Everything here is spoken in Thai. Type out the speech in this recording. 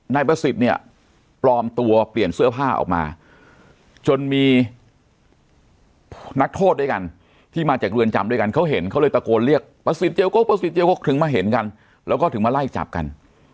นายประสิทธิ์เนี่ยปลอมตัวเปลี่ยนเสื้อผ้าออกมาจนมีนักโทษด้วยกันที่มาจากเรือนจำด้วยกันเขาเห็นเขาเลยตะโกนเรียกประสิทธิเจโก้ถึงมาเห็นกันแล้วก็ถึงมาไล่จับกัน